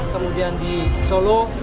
kemudian di solo